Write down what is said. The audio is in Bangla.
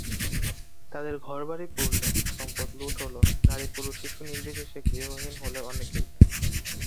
তাদের ঘরবাড়ি পুড়ল, সম্পদ লুট হলো, নারী-পুরুষ-শিশু নির্বিশেষে গৃহহীন হলেন অনেকেই।